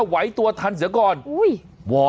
เบิร์ตลมเสียโอ้โห